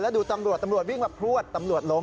ดูตำรวจตำรวจวิ่งมาพลวดตำรวจล้ม